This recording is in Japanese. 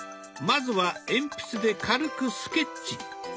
まずは鉛筆で軽くスケッチ。